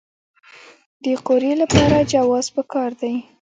د قوریې لپاره جواز پکار دی؟